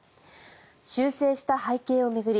修正した背景を巡り